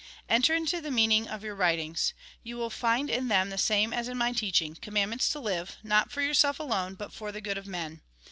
" Enter into the meaning of your writings. You will find in them the same as in my teaching, com mandments to live, not for yourself alone, but for the good of men.